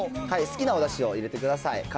好きなおだしを入れてください。